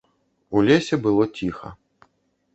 У лесе было ціха.